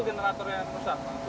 itu generatornya rusak pak